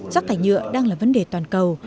rác thải nhựa đang là vấn đề toàn cầu